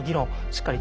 しっかり